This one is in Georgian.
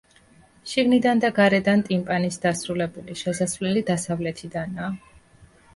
შიგნიდან და გარედან ტიმპანით დასრულებული შესასვლელი დასავლეთიდანაა.